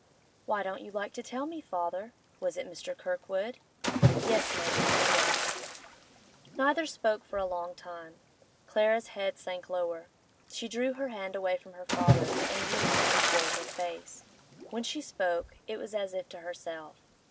'Why don't you like to tell me, father? Was it Mr. Kirkwood?' 'Yes, my dear, it was.' Neither spoke for a long time. Clara's head sank lower; she drew her hand away from her father's, and used it to shield her face. When she spoke, it was as if to herself.